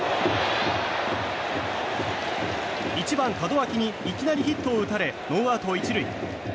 １番、門脇にいきなりヒットを打たれノーアウト１塁。